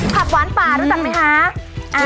ผักหวานป่ารู้จักไหมคะ